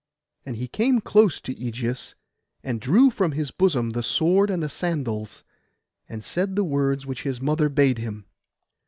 And he came close to Ægeus, and drew from his bosom the sword and the sandals, and said the words which his mother bade him.